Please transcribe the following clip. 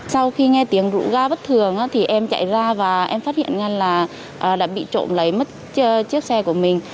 sau khi nghe tiếng rụ ga bất thường thì em chạy ra và em phát hiện ra là đã bị trộm lấy mất chiếc xe của mình